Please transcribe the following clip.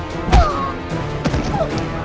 kau jangan terbiasa